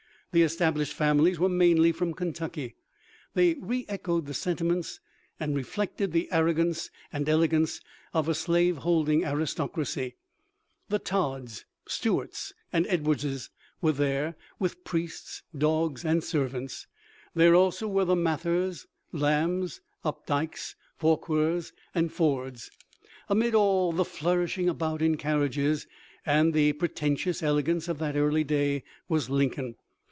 The established families were mainly from Kentucky. They re echoed the sentiments and reflected the arrogance and elegance of a slave holding aristoc racy. " The Todds, Stuarts, and Edwardses were there, with priests, dogs, and servants ;" there also were the Mathers, Lambs, Opdykes, Forquers, and Fords. Amid all " the flourishing about in car riages " and the pretentious elegance of that early day was Lincoln.